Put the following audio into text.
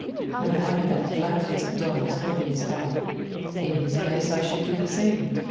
No wonder that black faced Don is holding his fire. In his place, I should do the same."